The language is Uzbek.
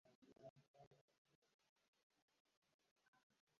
• Soqolingni ikki kishi orasida qisqartirma. Biri uzun desa, biri qisqa deydi.